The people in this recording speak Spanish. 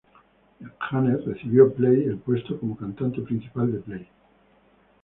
Janet recibió Play el puesto como cantante principal de Play.